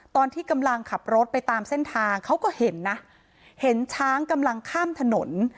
ตอนที่กำลังขับรถไปตามเส้นทางเขาก็เห็นนะเห็นช้างกำลังข้ามถนน